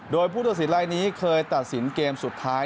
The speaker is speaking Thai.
โดยผู้ตัดสินลายนี้เคยตัดสินเกมสุดท้าย